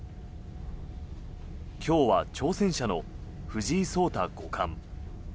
今日は挑戦者の藤井聡太五冠。